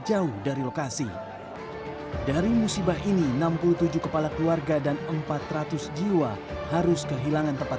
jauh dari lokasi dari musibah ini enam puluh tujuh kepala keluarga dan empat ratus jiwa harus kehilangan tempat